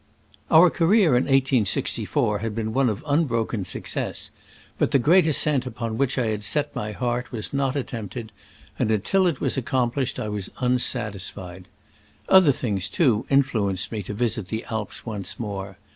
Our career in 1864 had been one of unbroken success, but the great ascent upon which I had set my heart was not attempted, and until it was accomplished I was unsatisfied. Other things, too, in fluenced me to visit the Alps once more.